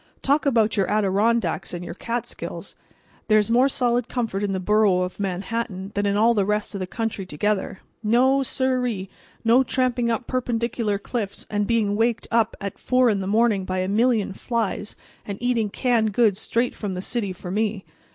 Talk about your Adirondacks and your Catskills! There's more solid comfort in the borough of Manhattan than in all the rest of the country together. No, siree! No tramping up perpendicular cliffs and being waked up at 4 in the morning by a million flies, and eating canned goods straight from the city for me.